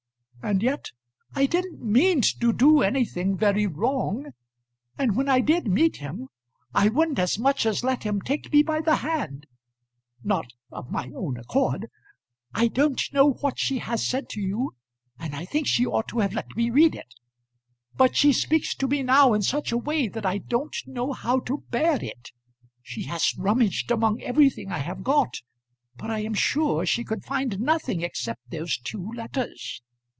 And yet I didn't mean to do anything very wrong, and when I did meet him I wouldn't as much as let him take me by the hand; not of my own accord. I don't know what she has said to you, and I think she ought to have let me read it; but she speaks to me now in such a way that I don't know how to bear it. She has rummaged among everything I have got, but I am sure she could find nothing except those two letters.